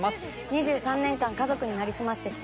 ２３年間家族に成り済ましてきた